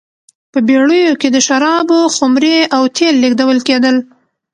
په بېړیو کې د شرابو خُمرې او تېل لېږدول کېدل.